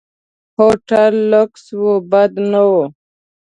هوټل لکس او بد نه و.